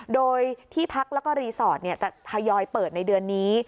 โดยที่พักแล้วก็รีสอร์ทจะทยอยเปิดในเดือนนี้